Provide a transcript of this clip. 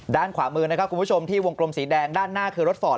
ด้านขวามือที่วงกลมสีแดงด้านหน้าคือรถฟอร์ต